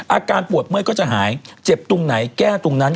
อาการปวดเมื่อยก็จะหายเจ็บตรงไหนแก้ตรงนั้น